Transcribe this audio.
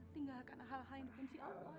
tinggalkan hal hal yang dihentikan